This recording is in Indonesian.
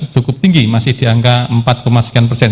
cukup tinggi masih di angka empat sekian persen